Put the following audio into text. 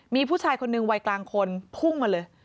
มีผู้ชายคนหนึ่งวัยกลางคนพุ่งมาเลย